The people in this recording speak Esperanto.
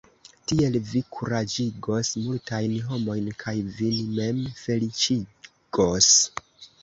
Tiel vi kuraĝigos multajn homojn kaj vin mem feliĉigos.